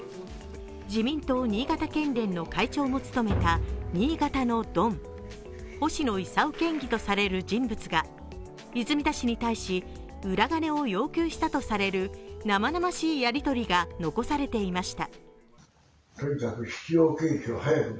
自民党・新潟県連の会長も務めた新潟のドン、星野伊佐夫県議とされる人物が泉田氏に対し裏金を要求したとされる生々しいやり取りが残されていました。